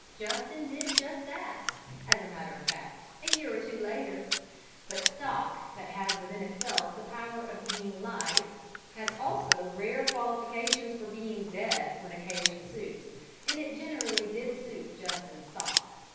Justin did just that, as a matter of fact, a year or two later; but stock that has within itself the power of being "live" has also rare qualifications for being dead when occasion suits, and it generally did suit Justin's stock.